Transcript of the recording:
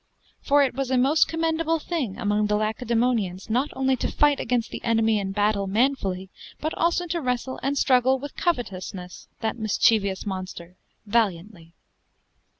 For yt was a most commendable thing among the Lacedaemonians not only to fighte against the enemie in battell manfully; but also to wrestle and struggle with covetousness (that misschievous monster) valliauntly.